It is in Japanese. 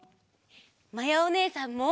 まやおねえさんも！